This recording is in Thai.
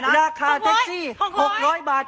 ราคาแท็กซี่๖๐๐บาท